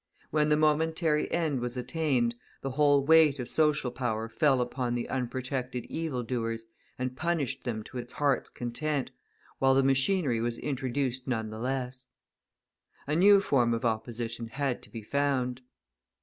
When the momentary end was attained, the whole weight of social power fell upon the unprotected evil doers and punished them to its heart's content, while the machinery was introduced none the less. A new form of opposition had to be found.